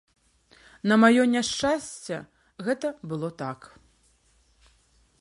На маё няшчасце, гэта было так.